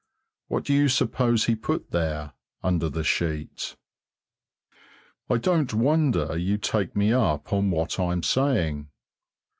What do you suppose he put there, under the sheet? I don't wonder you take me up on what I'm saying!